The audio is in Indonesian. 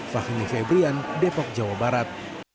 fahimif ebrian depok jawa barat